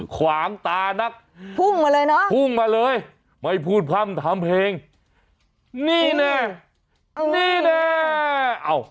ขวางตานักพุ่งมาเลยไม่พูดพร่ำทำเพลงนี่แน่นี่แน่